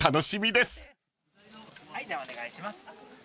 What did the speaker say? ではお願いします。